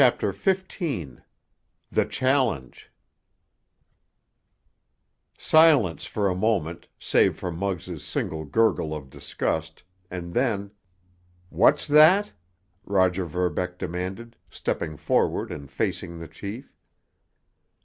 _" CHAPTER XV—THE CHALLENGE Silence for a moment, save for Muggs' single gurgle of disgust, and then: "What's that?" Roger Verbeck demanded, stepping forward and facing the chief.